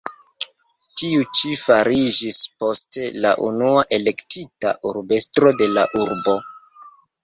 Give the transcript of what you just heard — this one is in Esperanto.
Tiu ĉi fariĝis poste la unua elektita urbestro de la urbo.